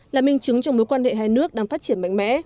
là minh chứng trong mối quan hệ hai nước đang phát triển mạnh mẽ